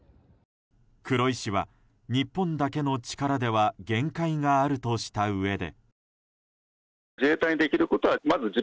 黒井氏は日本だけの力では限界があるとしたうえで。